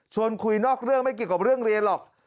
คุยนอกเรื่องไม่เกี่ยวกับเรื่องเรียนหรอก